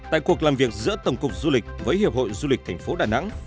tại cuộc làm việc giữa tổng cục du lịch với hiệp hội du lịch tp đà nẵng